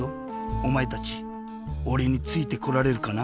おまえたちおれについてこられるかな？